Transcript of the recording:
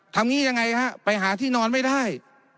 งี้ยังไงฮะไปหาที่นอนไม่ได้